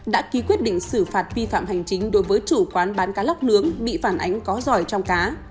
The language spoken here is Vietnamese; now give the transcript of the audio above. đã ký quyết định xử phạt vi phạm hành chính đối với chủ quán bán cá lóc nướng bị phản ánh có giỏi trong cá